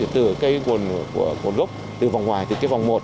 từ cái nguồn gốc từ vòng ngoài từ cái vòng một